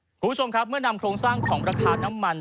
คุณผู้ชมครับเมื่อนำโครงสร้างของราคาน้ำมัน